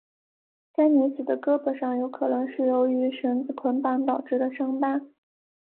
该女子的胳膊上有可能是由于绳子捆绑导致的伤疤。